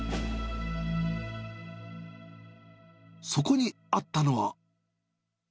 そこにあったのは。